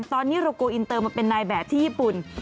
ตอนนี้เราโกอินเตอร์มาเป็นนายแบบที่ญี่ปุ่น